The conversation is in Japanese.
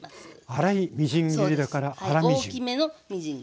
粗いみじん切りだから粗みじん。